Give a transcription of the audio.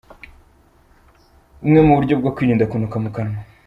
Bumwe mu buryo bwo kwirinda kunuka mu kanwa